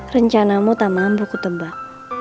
rencanamu tak mampu kutebak